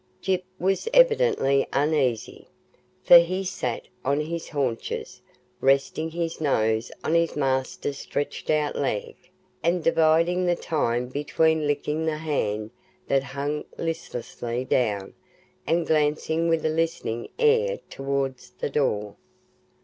Gyp was evidently uneasy, for he sat on his haunches, resting his nose on his master's stretched out leg, and dividing the time between licking the hand that hung listlessly down and glancing with a listening air towards the door.